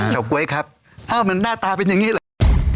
เฉาก๊วยครับเอ้ามันหน้าตาเป็นอย่างงี้เลย